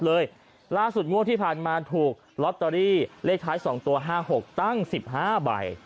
ล่าสุดงวดที่ผ่านมาถูกลอตเตอรี่เลขท้าย๒ตัว๕๖ตั้ง๑๕ใบ